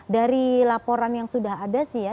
dari laporan yang sudah ada sih ya